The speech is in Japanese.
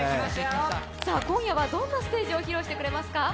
今夜はどんなステージを披露してくれますか？